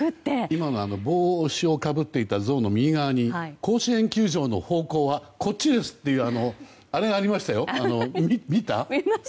今帽子をかぶっていた像の右側に甲子園球場の方向はこっちですという張り紙がありました。